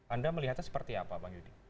anda melihatnya seperti apa bang yudi